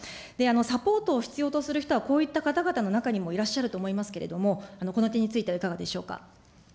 サポートを必要とする人はこういった方々の中にもいらっしゃると思いますけれども、この点についてはいかがでしょうか。